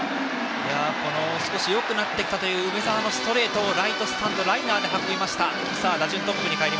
少しよくなってきたという梅澤のストレートをライトスタンドライナーで運びました。